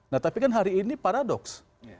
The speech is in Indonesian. nah tapi kan hari ini paradoks